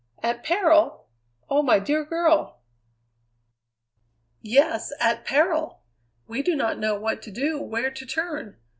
"At peril! Oh, my dear girl!" "Yes, at peril. We do not know what to do, where to turn.